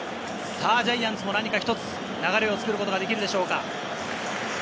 ジャイアンツも何か一つ、流れを作ることができるでしょうか？